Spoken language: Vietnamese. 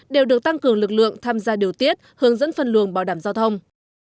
đều được tăng cường lực lượng tham gia điều tiết hướng dẫn phần lường bảo đảm giao thông